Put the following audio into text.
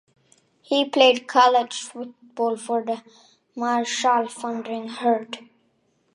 He played college football for the Marshall Thundering Herd.